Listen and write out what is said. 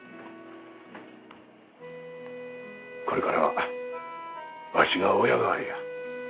これからはワシが親代わりや。